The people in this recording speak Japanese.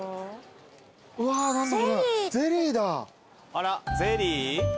あらゼリー？